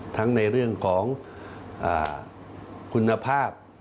ทั้งในเรื่องของคุณภาพ